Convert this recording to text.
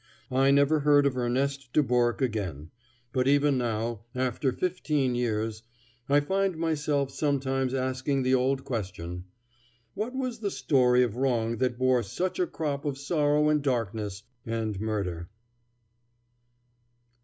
I never heard of Erneste Dubourque again; but even now, after fifteen years, I find myself sometimes asking the old question: What was the story of wrong that bore such a crop of sorrow and darkness and murder?